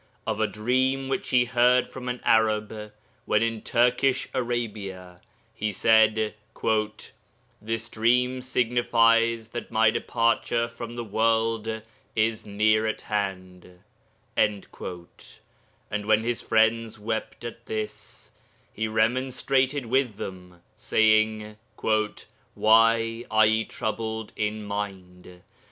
Of a dream which he heard from an Arab (when in Turkish Arabia), he said, 'This dream signifies that my departure from the world is near at hand'; and when his friends wept at this, he remonstrated with them, saying, 'Why are ye troubled in mind?